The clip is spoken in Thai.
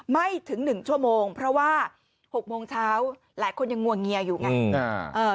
ไม่ถึง๑ชั่วโมงเพราะว่า๖โมงเช้าหลายคนยังงวงเงียอยู่ไง